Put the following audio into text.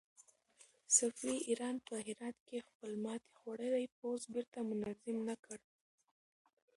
صفوي ایران په هرات کې خپل ماتې خوړلی پوځ بېرته منظم نه کړ.